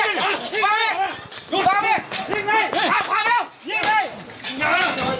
ข้างข้างแกกดเข้ากันเลย